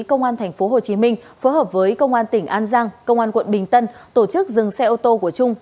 công an tp hcm phối hợp với công an tỉnh an giang công an quận bình tân tổ chức dừng xe ô tô của trung